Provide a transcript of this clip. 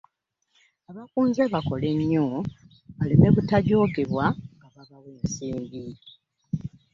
Abakunze bakole nnyo baleme butajoogebwa nga babawa ensimbi